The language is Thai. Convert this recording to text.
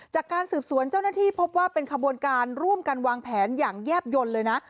จากการสืบสวนเจ้าหน้าที่พบว่าเป็นขบวนการร่วมกันวางแผนอย่างแยบยนต์เลยนะ